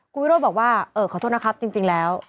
คุณวิโรธบอกว่าเออขอโทษนะครับจริงแล้ว